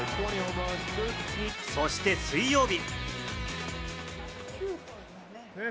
そして水曜日。